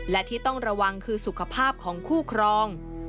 และที่ต้องระวังคือสุขภาพของคู่ครอง